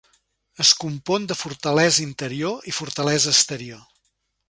Es compon de fortalesa interior i fortalesa exterior.